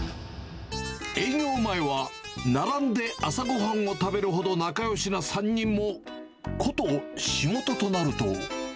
営業前は、並んで朝ごはんを食べるほど仲よしな３人も、こと、仕事となると。